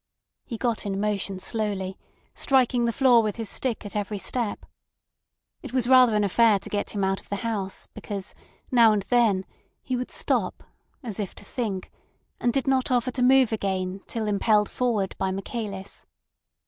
He got in motion slowly, striking the floor with his stick at every step. It was rather an affair to get him out of the house because, now and then, he would stop, as if to think, and did not offer to move again till impelled forward by Michaelis.